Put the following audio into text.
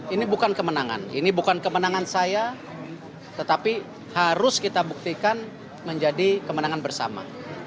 ini bukan kemenangan ini bukan kemenangan saya tetapi harus kita buktikan menjadi kemenangan bersama